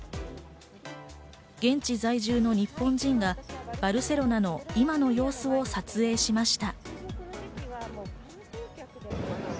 現地在住の日本人が、バルセロナの今の様子を撮影しました。